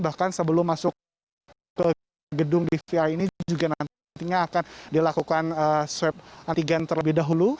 bahkan sebelum masuk ke gedung dvi ini juga nantinya akan dilakukan swab antigen terlebih dahulu